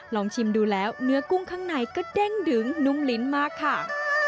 ลองชิมดูแล้วเนื้อกุ้งข้างในก็เด้งดึงนุ่มลิ้นมากค่ะ